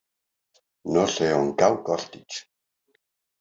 No sé on cau Costitx.